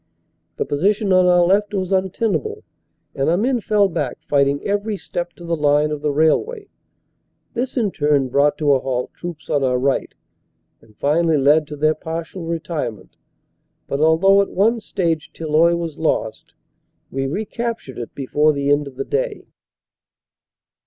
The position on our left was un tenable and our men fell back fighting every step to the line of the railway. This in turn brought to a halt troops on our right and finally led to their partial retirement, but although at one stage Tilloy was lost, we recaptured it before the end of the day.